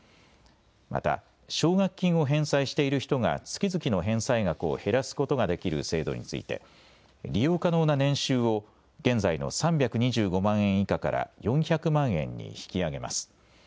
また奨学金を返済している人が月々の返済額を減らすことができる制度について利用可能な年収を現在の３２５万円以下から４００万円に引き上げます。